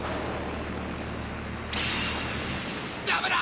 ダメだ！